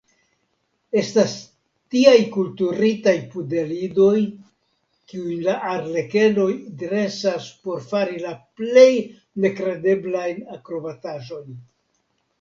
Estas tiaj kulturitaj pudelidoj, kiujn la arlekenoj dresas por fari la plej nekredeblajn akrobataĵojn.